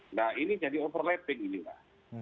nah ini jadi overlapping inilah